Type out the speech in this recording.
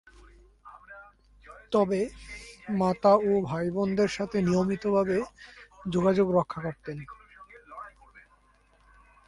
তবে, মাতা ও ভাই-বোনদের সাথে নিয়মিতভাবে যোগাযোগ রক্ষা করতেন।